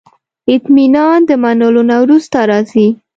اطمینان د منلو نه وروسته راځي.